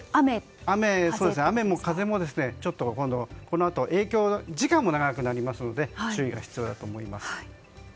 雨も風もこのあと影響時間も長くなるので注意が必要だと思います。